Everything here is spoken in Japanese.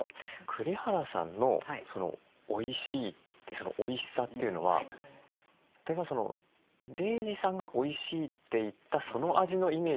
栗原さんの「おいしい」ってそのおいしさというのは例えば玲児さんがおいしいって言ったその味のイメージなのか。